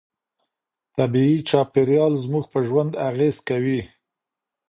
طبيعي چاپيريال زموږ په ژوند اغېز کوي.